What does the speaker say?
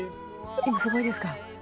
今すごいですか？